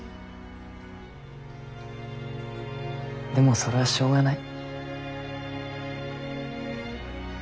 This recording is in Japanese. でもそれはしょうがない。